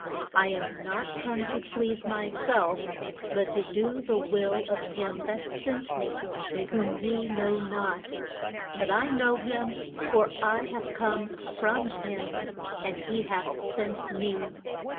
I am not come to please my self, but to do the will of him that sent me, whom ye know not. But I know him, for I have come from him, and he hath sent me.